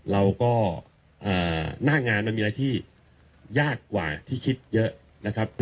เราก็หน้างานมันมีอะไรที่ยากกว่าที่คิดเยอะนะครับ